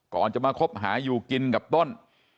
ก่อนจะมาคบหาอยู่กินกับต้น